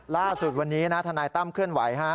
ล่าสุดวันนี้นะทนายตั้มเคลื่อนไหวฮะ